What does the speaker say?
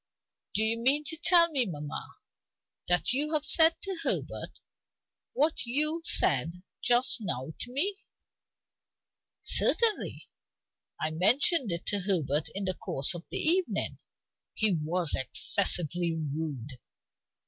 "Do you mean to tell me, mamma, that you have said to Herbert what you said just now to me?" "Certainly. I mentioned it to Herbert in the course of the evening. He was excessively rude.